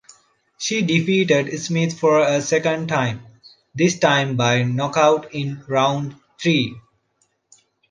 She defeated Smith for a second time, this time by knockout in round three.